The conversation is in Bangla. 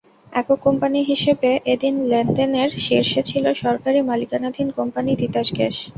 একক কোম্পানি হিসেবে এদিন লেনদেনের শীর্ষে ছিল সরকারি মালিকানাধীন কোম্পানি তিতাস গ্যাস।